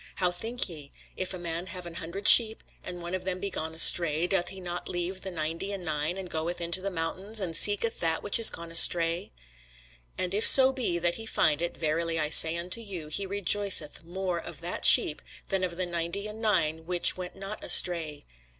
How think ye? if a man have an hundred sheep, and one of them be gone astray, doth he not leave the ninety and nine, and goeth into the mountains, and seeketh that which is gone astray? And if so be that he find it, verily I say unto you, he rejoiceth more of that sheep, than of the ninety and nine which went not astray.